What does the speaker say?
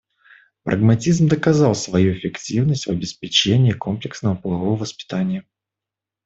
Прагматизм доказал свою эффективность в обеспечении комплексного полового воспитания.